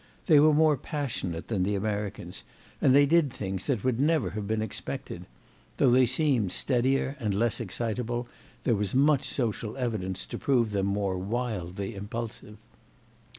They were more passionate than the Americans, and they did things that would never have been expected; though they seemed steadier and less excitable there was much social evidence to prove them more wildly impulsive.